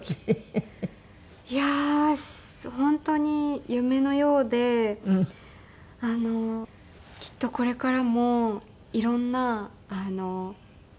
いやー本当に夢のようできっとこれからも色んななんでしょう